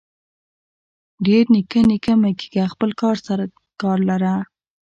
ډير نيکه نيکه مه کيږه خپل کار سره کار لره.